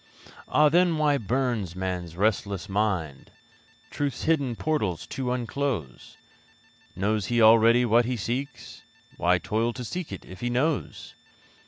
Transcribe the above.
Ah! then why burns man's restless mind Truth's hidden portals to unclose? Knows he already what he seeks? Why toil to seek it, if he knows?